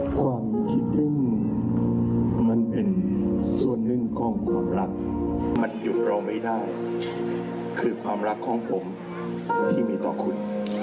ความคิดซึ่งมันเป็นส่วนหนึ่งของความรักมันหยุดเราไม่ได้คือความรักของผมที่มีต่อคุณ